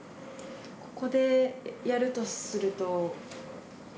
ここでやるとすると。